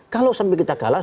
kalau sampai kita kalah